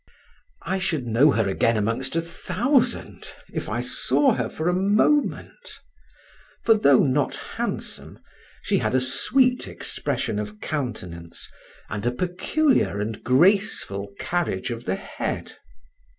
I should know her again amongst a thousand, if I saw her for a moment; for though not handsome, she had a sweet expression of countenance and a peculiar and graceful carriage of the head.